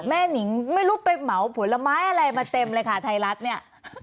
หนิงไม่รู้ไปเหมาผลไม้อะไรมาเต็มเลยค่ะไทยรัฐเนี่ย